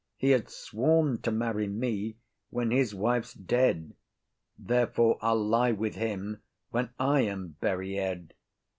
He had sworn to marry me When his wife's dead; therefore I'll lie with him When I am buried.